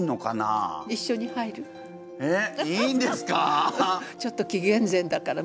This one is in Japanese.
えっいいんですか？